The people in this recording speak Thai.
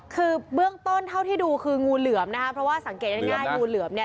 คือเบื้องต้นเท่าที่ดูคืองูเหลือมนะคะเพราะว่าสังเกตง่ายงูเหลือมเนี่ย